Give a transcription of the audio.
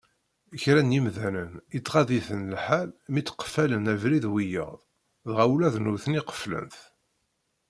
Kra n yimdanen ittɣad-iten lḥal mi tteqfalen abrid wiyaḍ, dɣa ula d nutni qeflen-t.